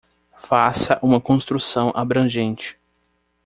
Faça uma construção abrangente